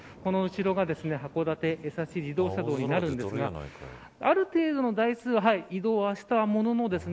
この後ろが函館江差自動車道なんですがある程度の台数は移動したものの